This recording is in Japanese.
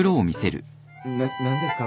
な何ですか？